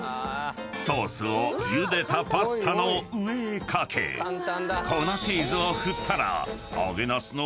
［ソースをゆでたパスタの上へ掛け粉チーズを振ったら］